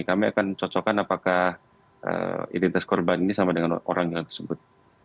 kami akan cocokkan apakah identitas korban ini sama dengan orang yang tersebut